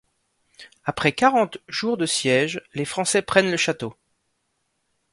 Après quarante jours de siège, les Français prennent le château.